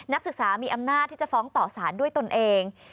นักศึกษามีอำนาจที่จะฟ้องต่อสารด้วยตนเอง